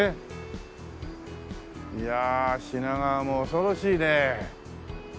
いや品川も恐ろしいね。